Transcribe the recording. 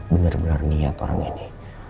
benar benar niat orang ini